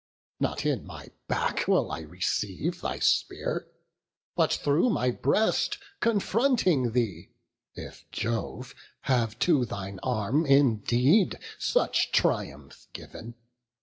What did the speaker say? Not in my back will I receive thy spear, But through my breast, confronting thee, if Jove Have to thine arm indeed such triumph giv'n.